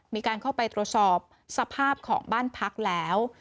มีการเข้าไปตรวจสอบสภาพของบ้านพักแล้ว